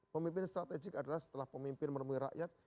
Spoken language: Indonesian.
pemimpin strategik adalah setelah pemimpin menemui rakyat